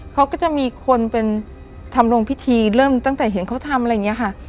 เขาก็จะมีคนเป็นทำลงพิธีเริ่มตั้งแต่เห็นเขาทำอะไรอย่างนี้ค่ะ